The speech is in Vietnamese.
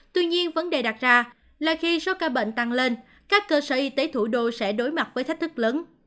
tuy nhiên vấn đề đặt ra là khi số ca bệnh tăng lên các cơ sở y tế thủ đô sẽ đối mặt với thách thức lớn